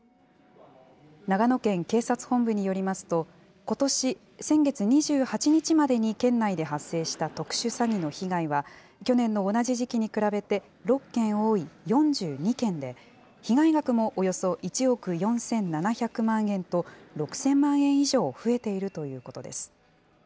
長野県警察本部によりますと、ことし先月２８日までに県内で発生した特殊詐欺の被害は、去年の同じ時期に比べて６件多い４２件で、被害額もおよそ１億４７００万円と、６０００万円以上増えているということです。